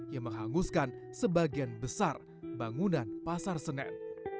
yang menghanguskan sebagian besar bangunan pasar senen